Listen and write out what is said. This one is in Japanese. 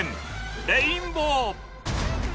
レインボー。